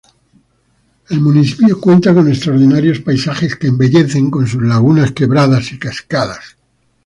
El municipio cuenta con extraordinarios paisajes que embellece con sus lagunas, quebradas y cascadas.